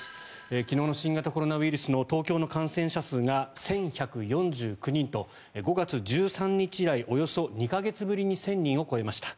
昨日の新型コロナウイルスの東京の感染者数が１１４９人と５月１３日以来およそ２か月ぶりに１０００人を超えました。